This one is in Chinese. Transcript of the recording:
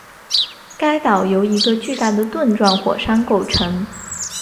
该岛由一个巨大的盾状火山构成